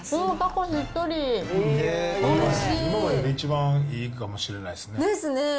今までで一番いいかもしれないですね。